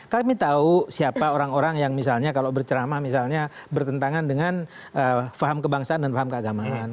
kami tahu siapa orang orang yang misalnya kalau bercerama misalnya bertentangan dengan faham kebangsaan dan faham keagamaan